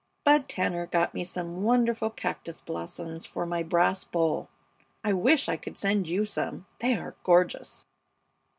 Bud Tanner got me some wonderful cactus blossoms for my brass bowl. I wish I could send you some. They are gorgeous!